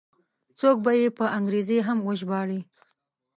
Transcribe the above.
څوک به یې په انګریزي هم وژباړي.